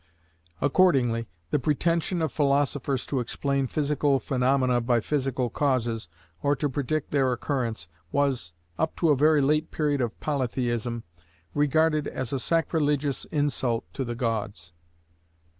Accordingly, the pretension of philosophers to explain physical phaenomena by physical causes, or to predict their occurrence, was, up to a very late period of Polytheism, regarded as a sacrilegious insult to the gods.